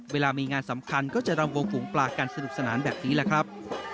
เวลามีงานสำคัญก็จะรำวงฝูงปลากันสนุกสนานแบบนี้แหละครับ